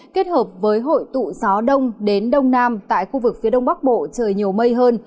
kết hợp với hội tụ gió đông đến đông nam tại khu vực phía đông bắc bộ trời nhiều mây hơn